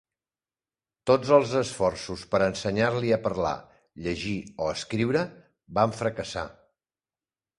Tots els esforços per ensenyar-li a parlar, llegir o escriure van fracassar.